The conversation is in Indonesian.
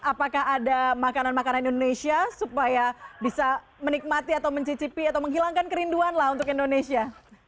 apakah ada makanan makanan indonesia supaya bisa menikmati atau mencicipi atau menghilangkan kerinduan lah untuk indonesia